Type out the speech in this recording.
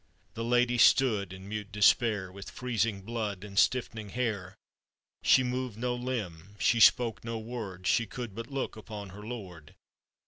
The lady stood in mute despair, With freezing blood and stiffening hair; She moved no limb, she spoke no word, She could but look upon her lord.